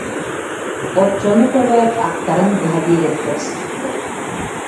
Оччону көрөөт аттарын быһа биэрэн кэбиспиттэр